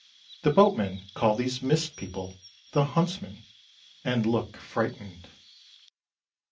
The boatmen call these mist people the Huntsmen, and look frightened....